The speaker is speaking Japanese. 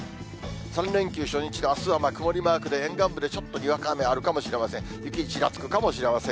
３連休初日のあすは曇りマークで、沿岸部でちょっとにわか雨あるかもしれません。